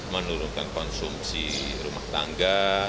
menurunkan konsumsi rumah tangga